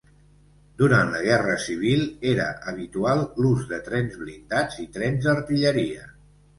Durant la guerra civil, era habitual l'ús de trens blindats i trens d'artilleria.